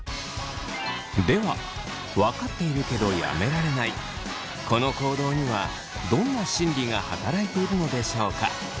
ではわかっているけどやめられないこの行動にはどんな心理が働いているのでしょうか。